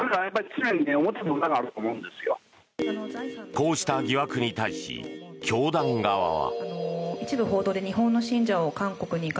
こうした疑惑に対し教団側は。